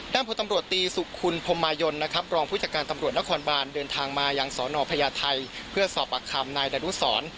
ด้านผู้ตำรวจตีสุขุนพมายนรองผู้จัดการตำรวจนครบาลเดินทางมายังสอนอพญาไทยเพื่อสอบประคำนายดรุศร